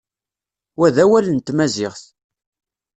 Wa d awal n tmaziɣt.